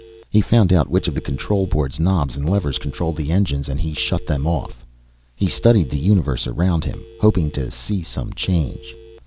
He found out which of the control board's knobs and levers controlled the engines, and he shut them off. He studied the universe around him, hoping to see some change.